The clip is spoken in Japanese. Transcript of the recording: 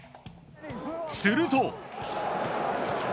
すると。